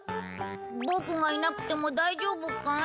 ボクがいなくても大丈夫かい？